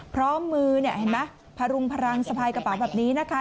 พร้อมมือเนี่ยเห็นไหมพรุงพลังสะพายกระเป๋าแบบนี้นะคะ